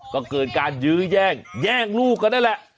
ก็เกิดการยื้อแย่งแย่งลูกกันนั่นแหละ